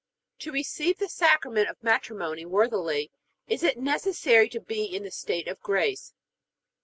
To receive the Sacrament of matrimony worthily is it necessary to be in the state of grace?